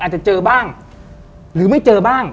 อาจจะเจอบ้างหรือไม่เจอบ้าง